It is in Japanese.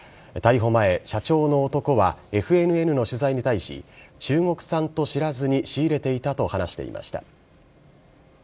逮捕前、社長の男はＦＮＮの取材に対し、中国産と知らずに仕入れていたと話していました。